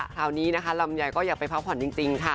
คราวนี้นะคะลำไยก็อยากไปพักผ่อนจริงค่ะ